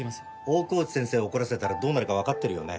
大河内先生を怒らせたらどうなるかわかってるよね？